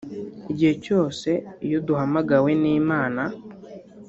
Igihe cyose iyo duhamagawe n'Imana